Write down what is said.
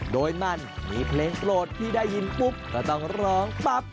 โดยมันมีเพลงโปรดที่ได้ยินปุ๊บก็ต้องร้องปั๊บ